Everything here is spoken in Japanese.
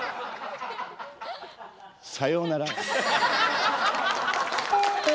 さようなら。